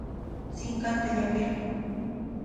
Sinqanta llapirqun.